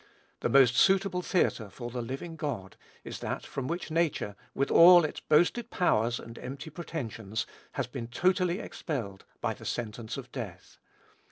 The most suitable theatre for the living God is that from which nature, with all its boasted powers and empty pretensions, has been totally expelled by the sentence of death.